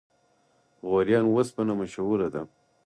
غوریان وسپنه مشهوره ده؟